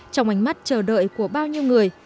trong ánh mắt chờ đợi của bao nhiêu người